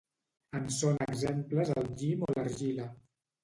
En són exemples el llim o l'argila.